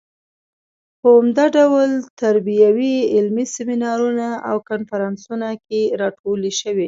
په عمده ډول تربیوي علمي سیمینارونو او کنفرانسونو کې راټولې شوې.